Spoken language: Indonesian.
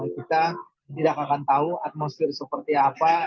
kita tidak akan tahu atmosfer seperti apa